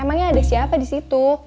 emangnya ada siapa di situ